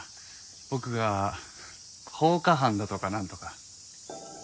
僕が放火犯だとかなんとか。